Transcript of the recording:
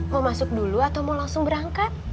mau masuk dulu atau mau langsung berangkat